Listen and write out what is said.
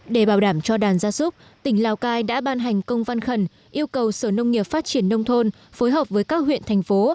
để bảo đảm cho đàn gia súc tỉnh lào cai đã ban hành công văn khẩn yêu cầu sở nông nghiệp phát triển nông thôn phối hợp với các huyện thành phố